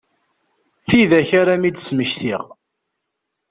Tidak ara m-id-smektiɣ.